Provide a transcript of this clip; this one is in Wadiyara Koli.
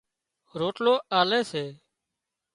روٽلو آلي سي